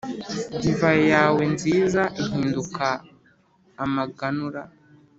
divayi yawe nziza ihinduka amaganura.